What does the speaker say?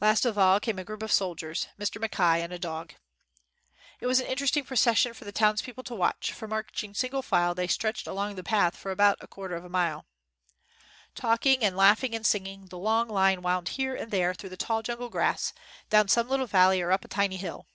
Last of all came a group of soldiers, Mr. Mackay, and a dog. It was an interesting procession for the townspeople to watch, for marching single file, they stretched along the path for about a quarter of a mile. 37 WHITE MAN OF WORK Talking, laughing, and singing, the long line wound here and there through the tall jungle grass, down some little valley or up a tiny hill.